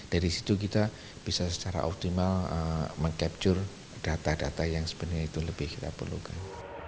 dari situ kita bisa secara optimal meng capture data data yang sebenarnya itu lebih kita perlukan